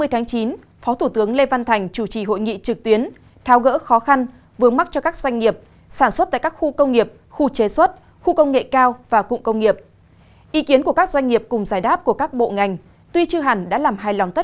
hãy đăng ký kênh để ủng hộ kênh của chúng mình nhé